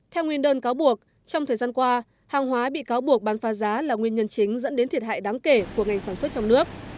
theo nguyên đơn cáo buộc trong thời gian qua hàng hóa bị cáo buộc bán phá giá là nguyên nhân chính dẫn đến thiệt hại đáng kể của ngành sản xuất trong nước